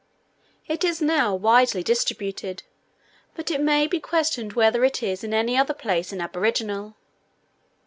It is now widely distributed; but it may be questioned whether it is in any other place an aboriginal.